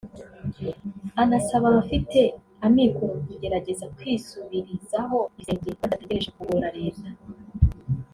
anasaba abafite amikoro kugerageza kwisubirizaho ibisenge badategereje kugora Leta